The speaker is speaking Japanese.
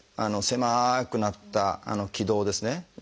狭くなった気道ですね